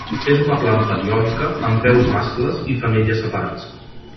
És una planta dioica amb peus mascles i femelles separats.